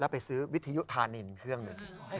แล้วไปซื้อวิธีภาริย์เครื่องหนึ่ง